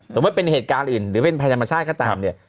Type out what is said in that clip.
สมมุติเป็นเหตุการณ์อื่นหรือเป็นภัยธรรมชาติก็ตามเนี่ย